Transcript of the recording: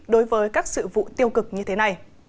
đối với các sự vụ tiêu cực như thế này